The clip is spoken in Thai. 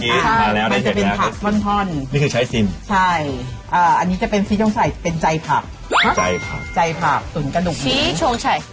นี่คือชัยสินใช่อันนี้จะเป็นชีชงชัยเป็นใจผักใจผักตุ๋นกระดุกนิ้งชีชงชัย